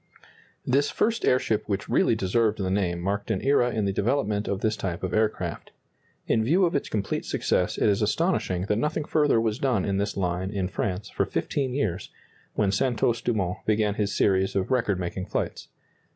This first airship which really deserved the name marked an era in the development of this type of aircraft. In view of its complete success it is astonishing that nothing further was done in this line in France for fifteen years, when Santos Dumont began his series of record making flights.